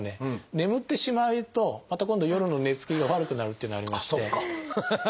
眠ってしまうとまた今度夜の寝つきが悪くなるっていうのありまして。